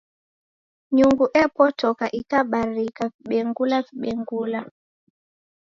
Nyungu epotoka ikabarika vibengula vibengula.